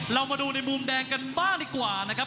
เรามาดูในมุมแดงกันบ้างดีกว่านะครับ